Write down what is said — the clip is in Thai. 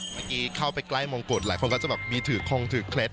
เข้าไปใกล้มงกุฎหลายคนก็จะแบบมีถือคงถือเคล็ด